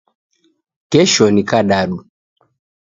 Kesho ni kadadu